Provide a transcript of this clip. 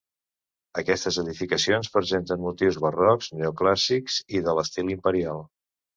Aquestes edificacions presenten motius barrocs, neoclàssics i de l'estil imperial.